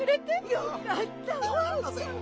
よかったぜ。